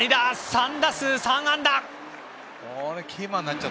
３打数３安打！